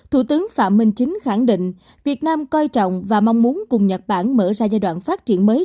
thủ tướng phạm minh chính khẳng định việt nam coi trọng và mong muốn cùng nhật bản mở ra giai đoạn phát triển mới